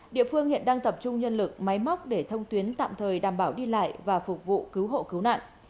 địa phương hiện đang tập trung nhân lực máy móc để thông tuyến tạm thời đảm bảo đi lại và phục vụ cứu hộ cứu nạn